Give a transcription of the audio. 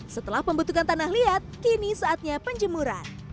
setelah membutuhkan tanah liat kini saatnya penjemuran